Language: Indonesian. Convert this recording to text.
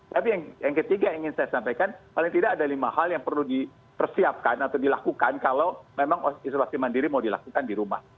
tapi yang ketiga ingin saya sampaikan paling tidak ada lima hal yang perlu dipersiapkan atau dilakukan kalau memang isolasi mandiri mau dilakukan di rumah